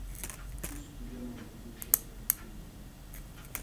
Ćhusku llaman quśhqata mikuykan.